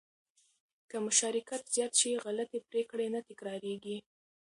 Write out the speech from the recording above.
که مشارکت زیات شي، غلطې پرېکړې نه تکرارېږي.